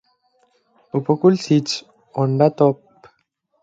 She subsequently resumed planeguarding, this time standing by escort carriers.